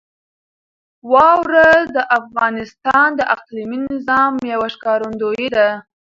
واوره د افغانستان د اقلیمي نظام یوه ښکارندوی ده.